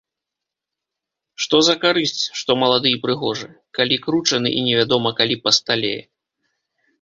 Што за карысць, што малады і прыгожы, калі кручаны і невядома калі пасталее.